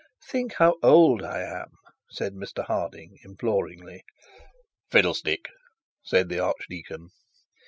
'Think how old I am,' said Mr Harding imploringly. 'Fiddlestick!' said the archdeacon.